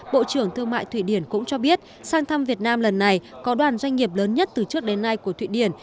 bộ trưởng thương mại thụy điển cũng cho biết sang thăm việt nam lần này có đoàn doanh nghiệp lớn nhất từ trước đến nay của thụy điển